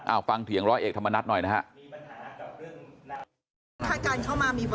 อ้าวฟังเถียงร้อยเอกธรรมนัฏหน่อยนะครับ